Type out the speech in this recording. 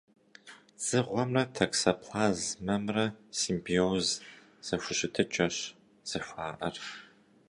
Дзыгъуэмрэ токсоплазмэмрэ симбиоз зэхущытыкӏэщ зэхуаӏэр.